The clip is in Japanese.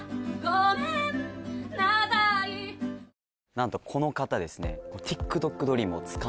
何とこの方ですね